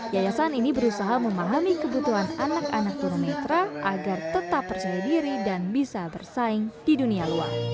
yayasan ini berusaha memahami kebutuhan anak anak tuna netra agar tetap percaya diri dan bisa bersaing di dunia luar